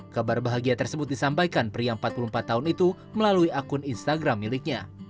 kabar bahagia tersebut disampaikan pria empat puluh empat tahun itu melalui akun instagram miliknya